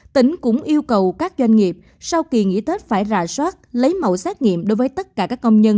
tỉnh cũng yêu cầu các doanh nghiệp sau kỳ nghỉ tết phải rà soát lấy mẫu xét nghiệm đối với tất cả các công nhân